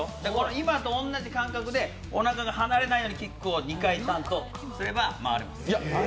今と同じ感覚でおなかが離れないようにキックを２回ちゃんとすれば回れます。